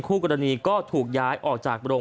คู่คุณโรงพยาบาลก่าง